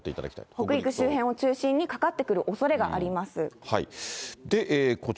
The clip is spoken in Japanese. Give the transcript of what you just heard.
北陸周辺を中心に、かかってくるおそれがあります。